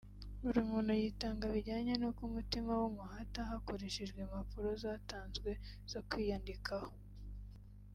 buri muntu yitanga bijyanye nuko umutima we umuhata hakoreshejwe impapuro zatanzwe zo kwiyandikaho